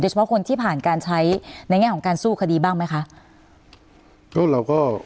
โดยเฉพาะคนที่ผ่านการใช้ในแง่ของการสู้คดีบ้างไหมคะ